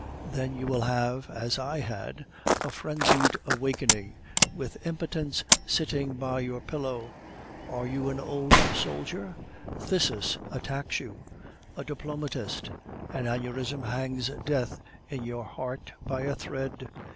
Then you will have, as I had, a frenzied awakening, with impotence sitting by your pillow. Are you an old soldier? Phthisis attacks you. A diplomatist? An aneurism hangs death in your heart by a thread.